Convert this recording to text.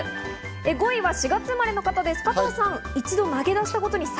５位は４月生まれの方です、加藤さん。